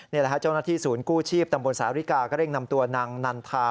นี่แหละฮะเจ้าหน้าที่ศูนย์กู้ชีพตำบลสาริกาก็เร่งนำตัวนางนันทา